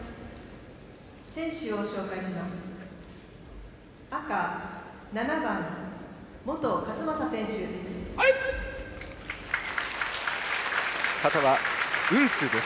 選手を紹介します。